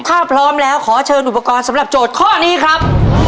ถ้าพร้อมแล้วขอเชิญอุปกรณ์สำหรับโจทย์ข้อนี้ครับ